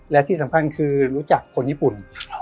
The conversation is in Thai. และที่สำคัญคือรู้จักคนญี่ปุ่น